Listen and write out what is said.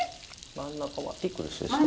真ん中はピクルスですか。